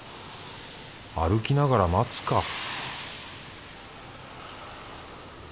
歩きながら待つか